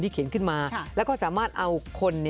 เขียนขึ้นมาแล้วก็สามารถเอาคน